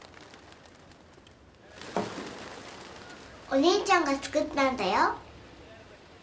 お姉ちゃんが作ったんだよ。